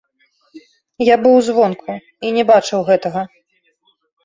Я быў звонку, і не бачыў гэтага.